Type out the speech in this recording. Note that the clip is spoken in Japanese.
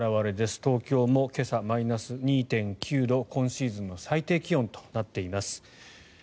東京も今朝、マイナス２．９度今シーズンの最低気温となっています。